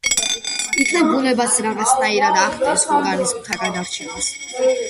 იქნებ, ბუნებაც რაღაცნაირად ახდენს ორგანიზმთა გადარჩევას.